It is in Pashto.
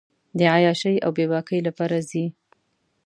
د عیاشۍ اوبېباکۍ لپاره ځي.